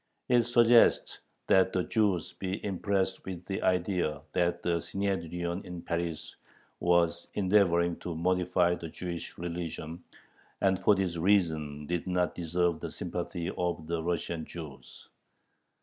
It suggests that the Jews be impressed with the idea that the Synhedrion in Paris was endeavoring to modify the Jewish religion, and for this reason did not deserve the sympathy of the Russian Jews.